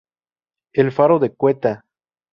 El Faro de Ceuta.